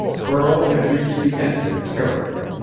Burl had reached the end of terror.